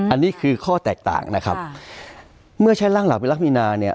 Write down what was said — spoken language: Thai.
อันนี้คือข้อแตกต่างนะครับเมื่อใช้ร่างหลักวิรักมีนาเนี่ย